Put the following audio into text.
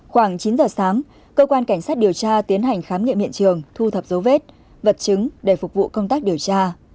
khoảng chín giờ sáng cơ quan cảnh sát điều tra tiến hành khám nghiệm hiện trường thu thập dấu vết vật chứng để phục vụ công tác điều tra